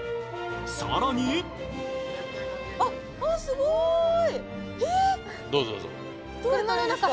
さらにあっ、すごい。